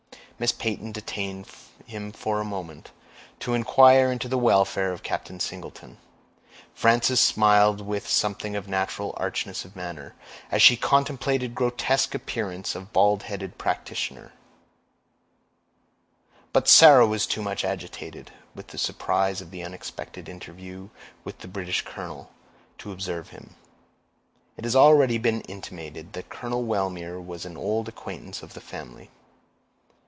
Miss Peyton detained him for a moment, to inquire into the welfare of Captain Singleton. Frances smiled with something of natural archness of manner, as she contemplated the grotesque appearance of the bald headed practitioner; but Sarah was too much agitated, with the surprise of the unexpected interview with the British colonel, to observe him. It has already been intimated that Colonel Wellmere was an old acquaintance of the family.